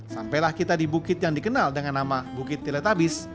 sampailah kita di bukit yang dikenal dengan nama bukit teletabis